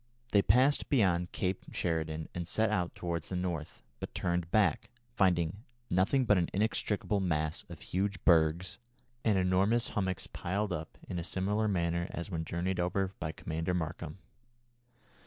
They passed beyond Cape Sheridan and set out towards the North, but turned back, finding "nothing but an inextricable mass of huge bergs, and enormous hummocks piled up in a similar manner as when journeyed over by Commander Markham."